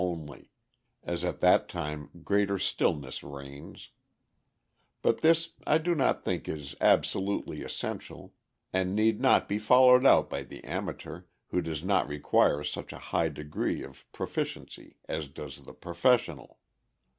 only, as at that time greater stillness reigns; but this I do not think is absolutely essential, and need not be followed out by the amateur, who does not require such a high degree of pro liciency as does the professional.